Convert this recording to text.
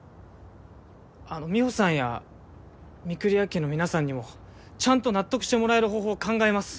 美帆さんや御厨家の皆さんにもちゃんと納得してもらえる方法考えます。